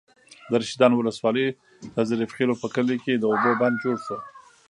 د رشيدانو ولسوالۍ، د ظریف خېلو په کلي کې د اوبو بند جوړ شو.